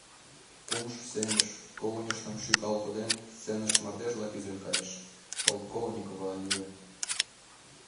Кумшо сеҥыш, когыньыштым шӱкал коден, сценыш мардежла кӱзен кайыш, Полковникова лие.